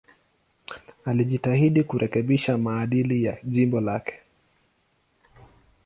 Alijitahidi kurekebisha maadili ya jimbo lake.